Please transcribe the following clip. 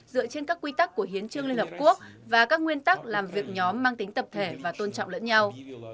dựa trên các quy tắc của hiến trương liên hợp quốc và các nguyên tắc làm việc nhóm mang tính tập thể và tôn trọng lẫn nhau